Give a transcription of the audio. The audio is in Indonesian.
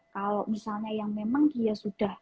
kalau misalnya yang memang dia sudah